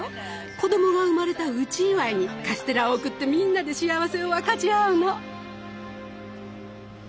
子供が生まれた内祝いにカステラを贈ってみんなで幸せを分かち合うの。